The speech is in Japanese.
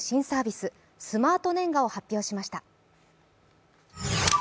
スマートねんがを発表しました。